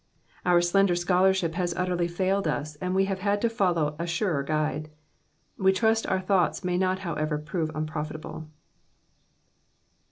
Our slender scholarship fias utterly failed us and we have had to follow a surer Guide. We trust our thoughts may not however prove un profitable.